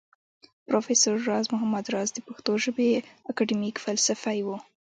پروفېسر راز محمد راز د پښتو ژبى اکېډمک فلسفى و